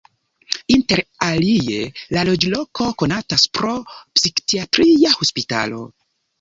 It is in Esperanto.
Inter alie la loĝloko konatas pro psikiatria hospitalo.